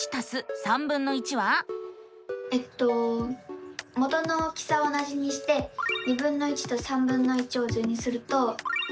えっと元の大きさは同じにしてとを図にすると。